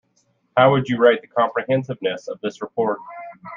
How would you rate the comprehensiveness of this report?